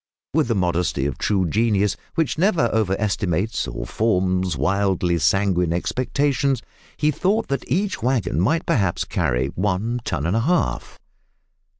With the modesty of true genius, which never over estimates or forms wildly sanguine expectations, he thought that each waggon might perhaps carry one ton and a half!